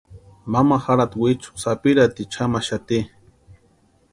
Mama jarhatu wichu sapiraticha jamaxati.